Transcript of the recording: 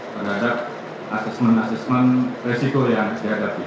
terhadap asesmen asesmen resiko yang dihadapi